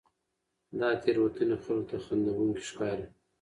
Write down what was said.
دا تېروتنې خلکو ته خندوونکې ښکاري.